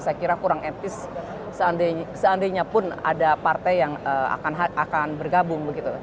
saya kira kurang etis seandainya pun ada partai yang akan bergabung begitu